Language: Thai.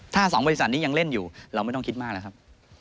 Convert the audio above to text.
ถ้า๒บริษัทนี้ยังเล่นอยู่เราไม่ต้องคิดมากแล้วครับ